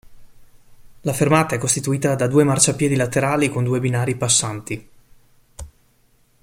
La fermata è costituita da due marciapiedi laterali con due binari passanti.